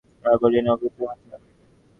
তা বলিয়া অমন পাত্রটিকে হাতছাড়া করিবে?